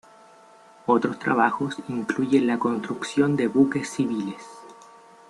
Otros trabajos incluyen la construcción de buques civiles.